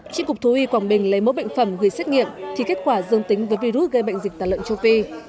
trị cục thú y quảng bình lấy mẫu bệnh phẩm gửi xét nghiệm thì kết quả dương tính với virus gây bệnh dịch tả lợn châu phi